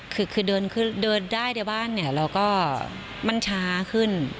คือเดินคือเดินได้ในบ้านเนี่ยเราก็มันช้าขึ้น